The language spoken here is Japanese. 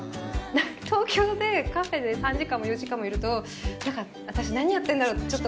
東京でカフェで３時間も４時間もいると私何やってんだろうって。